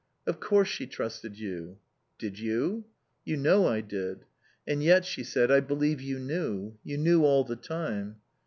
"Of course she trusted you." "Did you?" "You know I did." "And yet," she said, "I believe you knew. You knew all the time."